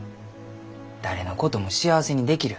誰のことも幸せにできる。